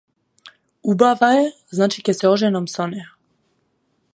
Убава е значи ќе се оженам со неа.